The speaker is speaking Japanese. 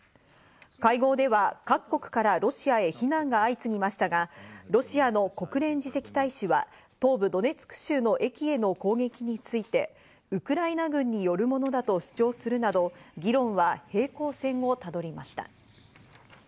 会合では各国からロシアへ非難が相次ぎましたがロシアの国連次席大使は東部ドネツク州の駅への攻撃についてウクライナ軍によるものだと主張するなど、議論は平行線をたどりました。